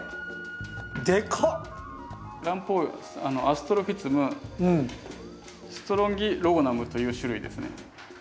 アストロフィツム・ストロンギロゴナムという種類ですね。